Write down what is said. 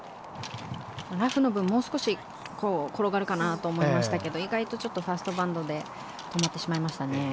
ラフの分、もう少し転がるかなと思いましたけど意外とファーストバウンドで止まってしまいましたね。